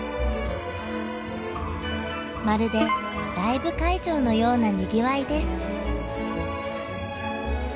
まるでライブ会場のようなにぎわいです。